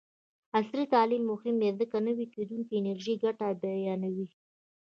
عصري تعلیم مهم دی ځکه چې د نوي کیدونکي انرژۍ ګټې بیانوي.